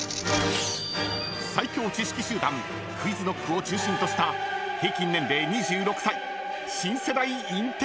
［最強知識集団ＱｕｉｚＫｎｏｃｋを中心とした平均年齢２６歳］